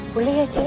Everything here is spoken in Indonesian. boleh ya cek ya